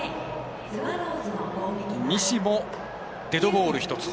西もデッドボール１つ。